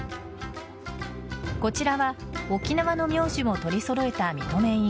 こちらは沖縄の名字も取り揃えた認め印。